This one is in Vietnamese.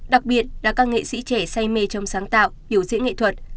đặc biệt là các nghệ sĩ trẻ say mê trong sáng tạo biểu diễn nghệ thuật